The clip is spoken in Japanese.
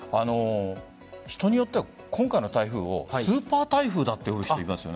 人によっては今回の台風をスーパー台風だという人